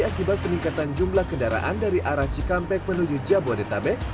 akibat peningkatan jumlah kendaraan dari arah cikampek menuju jabodetabek